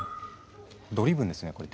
ドリブンですねこれ。